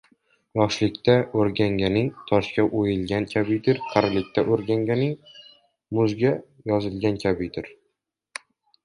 • Yoshlikda o‘rganganing toshga o‘yilgan kabidir, qarilikdan o‘rganganing muzga yozilgan kabidir.